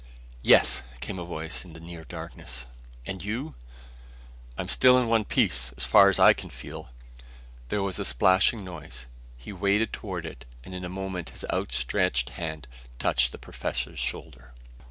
"Yes," came a voice in the near darkness. "And you?" "I'm still in one piece as far as I can feel." There was a splashing noise. He waded toward it and in a moment his outstretched hand touched the professor's shoulder.